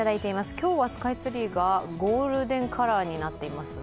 今日はスカイツリーがゴールデンカラーになっていますね。